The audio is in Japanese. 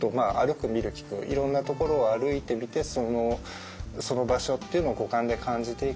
いろんなところを歩いてみてその場所っていうのを五感で感じていく。